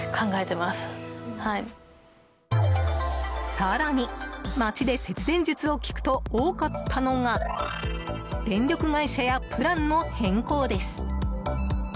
更に、街で節電術を聞くと多かったのが電力会社やプランの変更です。